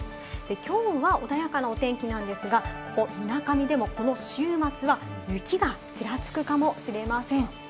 きょうは穏やかなお天気なんですが、ここ水上でもこの週末は雪がちらつくかもしれません。